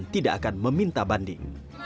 tidak akan meminta banding